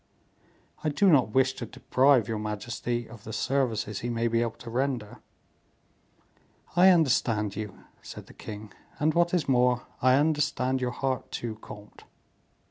I do not wish to deprive your majesty of the services he may be able to render." "I understand you," said the king; "and what is more, I understand your heart, too, comte."